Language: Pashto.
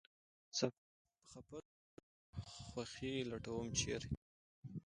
خپه زړونو ته خوښي لټوم ، چېرې ؟